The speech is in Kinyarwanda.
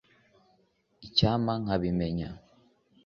icyampa nkabimenya